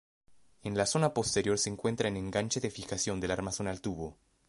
En la zona posterior se encuentra en enganche de fijación del armazón al tubo.